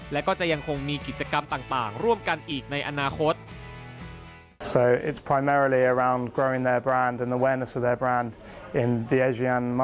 แล้วก็ยังมีกิจกรรมดัดล่่างต่าง